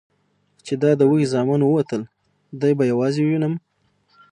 چې دا د وږي زامن ووتل، دی به یوازې ووینم؟